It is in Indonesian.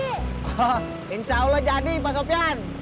oh insya allah jadi pak sopyan